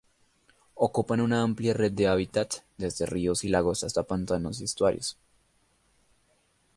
Ocupan una amplia red de hábitats, desde ríos y lagos hasta pantanos y estuarios.